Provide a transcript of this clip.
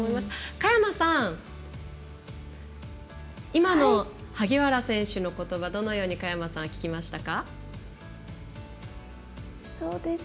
佳山さん、今の萩原選手のことばどのように聞きましたか？